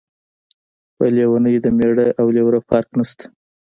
په لیونۍ د مېړه او لېوره فرق نشته.